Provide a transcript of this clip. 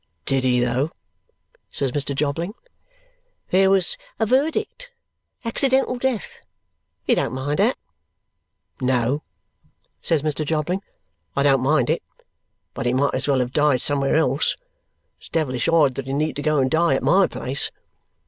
"Did he though!" says Mr. Jobling. "There was a verdict. Accidental death. You don't mind that?" "No," says Mr. Jobling, "I don't mind it; but he might as well have died somewhere else. It's devilish odd that he need go and die at MY place!"